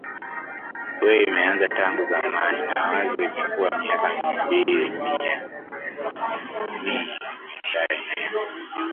wee imeanza tangu zamani nawaza imekuwa miaka mbili mi imeshaenea